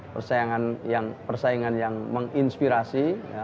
persaingan yang menginspirasi